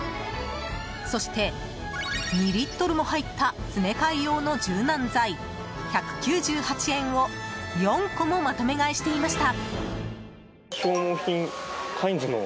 そして、２リットルも入った詰め替え用の柔軟剤、１９８円を４個もまとめ買いしていました。